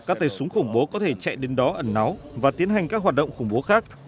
các tay súng khủng bố có thể chạy đến đó ẩn náu và tiến hành các hoạt động khủng bố khác